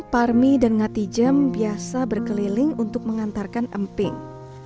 parmi dan ngati jem biasa berkeliling untuk mengantarkan emping